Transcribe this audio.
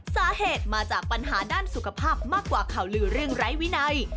สาเหตุมาจากปัญหาด้านสุขภาพมากกว่าข่าวลือเรื่องไร้วินัย